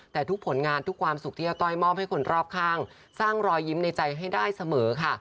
แต่ทุกผลงานทุกความสุขที่อาต้อยมอบให้คนรอบข้างสร้างรอยยิ้มในใจให้ได้เสมอค่ะ